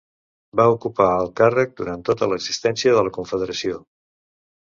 Va ocupar el càrrec durant tota l'existència de la Confederació.